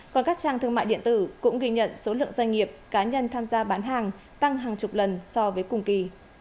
còn các trang thương mại điện tử cũng ghi nhận số lượng doanh nghiệp cá nhân tham gia bán hàng tăng hàng chục lần so với cùng kỳ